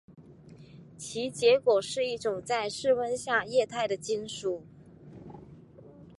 其结果是一种在室温下液态的金属。